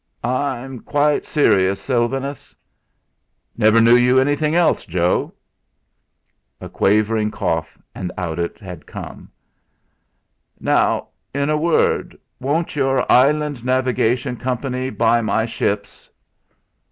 "I'm quite serious, Sylvanus." "Never knew you anything else, Joe." A quavering cough, and out it had come: "Now in a word won't your 'Island Navigation Company' buy my ships?"